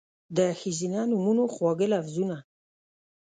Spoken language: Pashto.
د ښځېنه نومونو، خواږه لفظونه